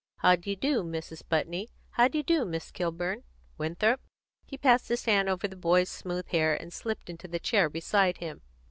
"How d'ye do, Mrs. Putney? How d'ye do, Miss Kilburn? Winthrop?" He passed his hand over the boy's smooth hair and slipped into the chair beside him.